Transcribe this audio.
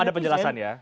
belum ada penjelasan ya